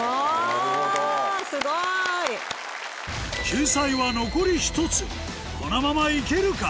救済は残り１つこのまま行けるか？